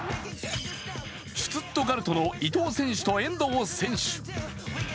シュツットガルトの伊藤選手と遠藤選手。